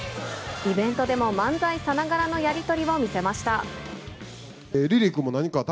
イベントでも漫才さながらのやり取りを見せました。